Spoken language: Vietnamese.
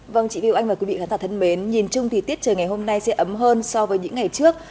vâng chị viêu anh và quý vị khán giả thân mến nhìn chung thì tiết trời ngày hôm nay sẽ ấm hơn so với những ngày trước